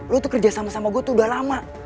lo tuh kerja sama sama gue tuh udah lama